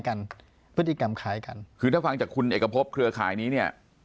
กันพฤติกรรมคล้ายกันคือถ้าฟังจากคุณเอกพบเครือข่ายนี้เนี่ย